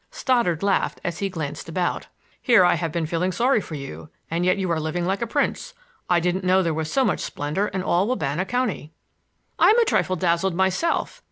Stoddard laughed as he glanced about. "Here I have been feeling sorry for you, and yet you are living like a prince. I didn't know there was so much splendor in all Wabana County." "I'm a trifle dazzled myself.